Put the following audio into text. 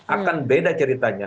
akan beda ceritanya